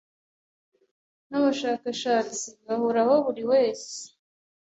n abashakashatsi bahoraho buri wese